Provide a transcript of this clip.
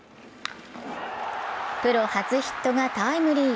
プロ初ヒットがタイムリー。